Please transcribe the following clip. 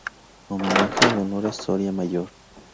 Homenaje a Dolores Soria Mayor".